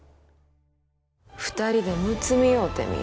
２人でむつみ合うてみよ。